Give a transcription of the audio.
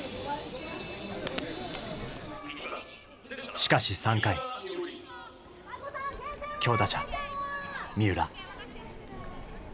しかし３回強打者三浦。